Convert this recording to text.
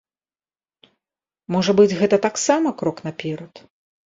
Можа быць, гэта таксама крок наперад?